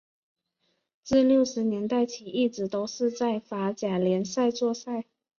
自六十年代起一直都是在法甲联赛作赛。